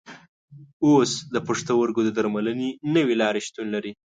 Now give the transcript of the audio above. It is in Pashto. اوس د پښتورګو د درملنې نوې لارې شتون لري.